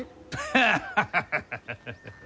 ハハハハハ。